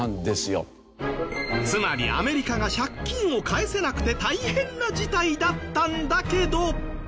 つまりアメリカが借金を返せなくて大変な事態だったんだけど。